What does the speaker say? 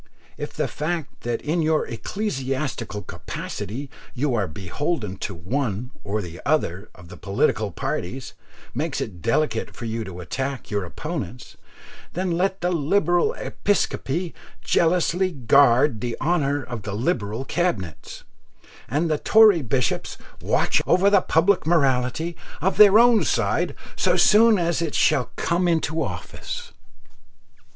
If the fact that in your ecclesiastical capacity you are beholden to one or other of the political parties makes it delicate for you to attack your opponents, then let the Liberal Episcopacy jealously guard the honour of the Liberal Cabinets, and the Tory bishops watch over the public morality of their own side so soon as it shall come into office.